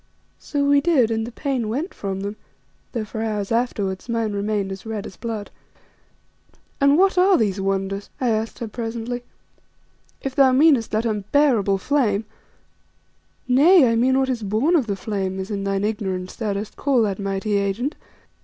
So we did, and the pain went from them, though, for hours afterwards, mine remained red as blood. "And what are these wonders?" I asked her presently. "If thou meanest that unbearable flame " "Nay, I mean what is born of the flame, as, in thine ignorance thou dost call that mighty agent.